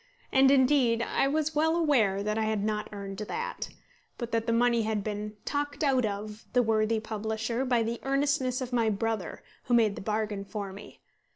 And, indeed, I was well aware that I had not earned that; but that the money had been "talked out of" the worthy publisher by the earnestness of my brother, who made the bargain for me.